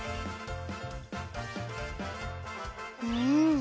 うん。